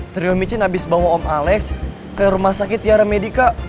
trio micin habis bawa om alex ke rumah sakit tiara medica